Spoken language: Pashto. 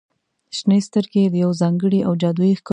• شنې سترګې د یو ځانګړي او جادويي ښکلا څرګندوي.